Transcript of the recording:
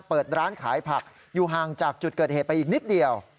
เปิดร้านขายผักอยู่ห่างจากจุดเกิดเหตุไปอีกนิดเดียว